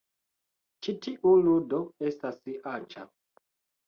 Ĉi tiu ludo estas aĉa